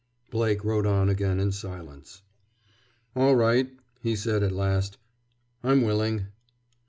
Blake rode on again in silence. "All right," he said at last. "I'm willing."